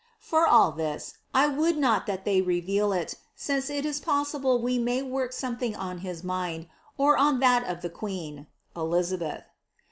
* *'For all tliis, I would not that wo reveal it, since it is possible we may work wnethin^ on his mind, or on that of the queen (Elizabeth).